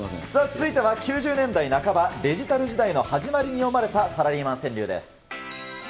続いては９０年代半ば、デジタル時代の始まりに詠まれたサラリーマン川柳です。